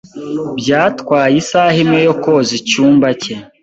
Byatwaye isaha imwe yo koza icyumba cye.